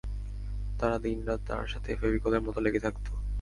তারা দিনরাত তার সাথে ফেবিকলের মতো লেগে থাকতো।